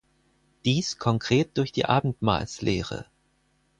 Dies konkret durch die Abendmahlslehre.